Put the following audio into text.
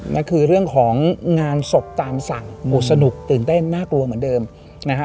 นั่นคือเรื่องของงานศพตามสั่งสนุกตื่นเต้นน่ากลัวเหมือนเดิมนะฮะ